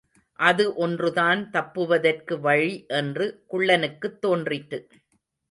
அது ஒன்றுதான் தப்புவதற்கு வழி என்று குள்ளனுக்குத் தோன்றிற்று.